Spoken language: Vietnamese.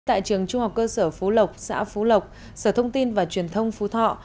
tại trường trung học cơ sở phú lộc xã phú lộc sở thông tin và truyền thông phú thọ